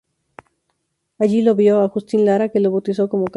Allí lo vio Agustín Lara que lo bautizó como "Canela".